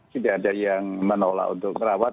tidak ada yang menolak untuk merawat